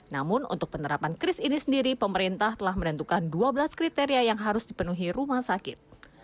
namun untuk penerapan kris ini sendiri pemerintah telah menentukan dua belas kriteria yang harus dipenuhi rumah sakit